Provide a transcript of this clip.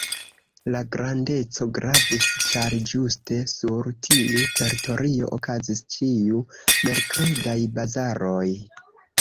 La grandeco gravis, ĉar ĝuste sur tiu teritorio okazis ĉiu-merkredaj bazaroj.